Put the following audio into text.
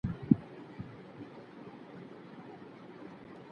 دواړه اړخونه دي منځګړي وټاکي.